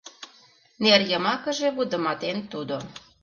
Нер йымакыже вудыматен тудо.